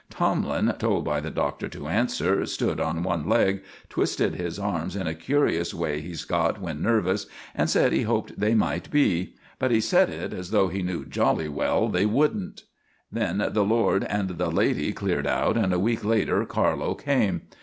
Tomlin, told by the Doctor to answer, stood on one leg, twisted his arms in a curious way he's got when nervous, and said he hoped they might be; but he said it as though he knew jolly well they wouldn't. Then the lord and the lady cleared out, and a week later Carlo came.